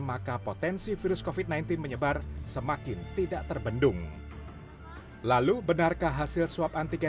maka potensi virus kofit sembilan belas menyebar semakin tidak terbendung lalu benarkah hasil swab antigen